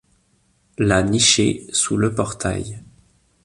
La nichée sous le portail